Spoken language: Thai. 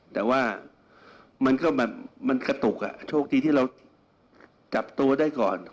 แต่ว่ามันกะตุกอ่ะโชคดีที่เราจับตัวได้ก่อน